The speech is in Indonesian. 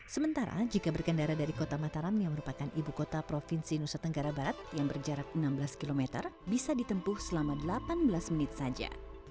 sementara jika berkendara dari kota mataram yang merupakan ibu kota provinsi nusa tenggara barat yang berjarak enam belas km bisa ditempuh selama delapan belas menit saja